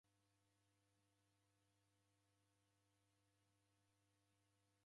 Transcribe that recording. Bodaboda raw'atesia w'usafiri vijijinyi